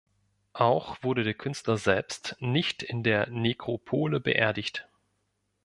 Auch wurde der Künstler selbst nicht in der Nekropole beerdigt.